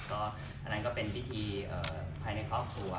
อันนั้นก็เป็นพิธีภายในครอบครัว